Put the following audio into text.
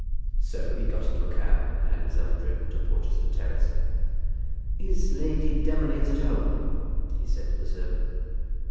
So he got into a cab and had himself driven to Porchester Terrace. "Is Lady Demolines at home?" he said to the servant.